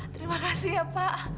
terima kasih ya pak